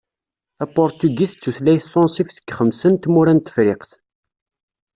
Tapurtugit d tutlayt tunṣibt deg xemsa n tmura n Tefriqt.